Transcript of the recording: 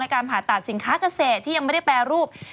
การผ่าตัดสินค้าเกษตรที่ยังไม่ได้แปรรูป